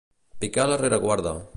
Picar la rereguarda.